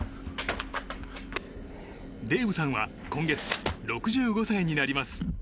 デイブさんは今月６５歳になります。